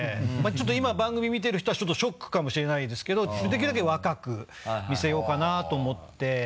今番組見てる人はちょっとショックかもしれないですけどできるだけ若く見せようかなと思って。